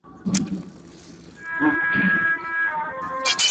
“ما چي د زاهد کیسه کول تاسي به نه منل،